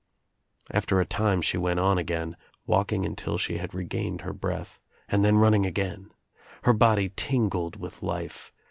After a time she went on again, walking until she had regained her breath and then running again. Her body tingled with life.